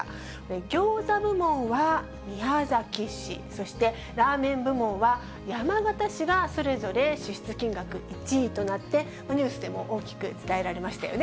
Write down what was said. ギョーザ部門は宮崎市、そしてラーメン部門は山形市が、それぞれ支出金額１位となって、ニュースでも大きく伝えられましたよね。